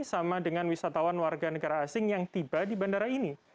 sama dengan wisatawan warga negara asing yang tiba di bandara ini